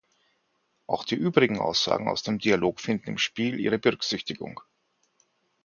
Auch die übrigen Aussagen aus dem Dialog finden im Spiel ihre Berücksichtigung.